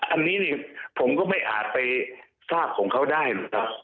อันนี้เนี่ยผมก็ไม่อาจไปทราบของเขาได้นะครับ